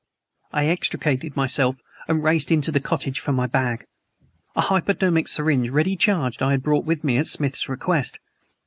I extricated myself and raced into the cottage for my bag. A hypodermic syringe ready charged I had brought with me at Smith's request.